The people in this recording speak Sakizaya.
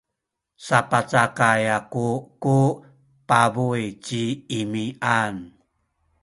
sapacakay aku ku pabuy ci Imian.